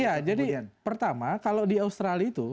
ya jadi pertama kalau di australia itu